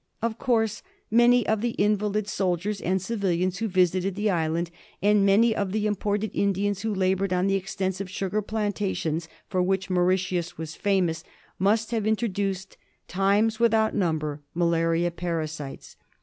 Of course many of the invalid soldiers and civilians who visited the island, and many of the imported Indians who laboured on the extensive sugar plantations for which Mauritius was famous, must have introduced, times without number, malaria parasites.